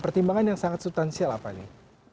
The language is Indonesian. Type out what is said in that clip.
pertimbangan yang sangat sustansial apa nih